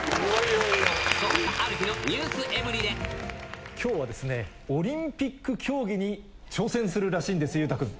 そんなある日のｎｅｗｓｅきょうはですね、オリンピック競技に挑戦するらしいんです、裕太君。